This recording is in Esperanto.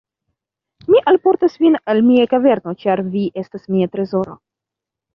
"Mi alportas vin al mia kaverno, ĉar vi estas mia trezoro."